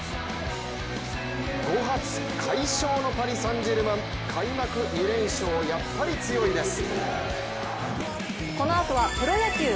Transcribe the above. ５発快勝のパリ・サン＝ジェルマン開幕２連勝、やっぱり強いです。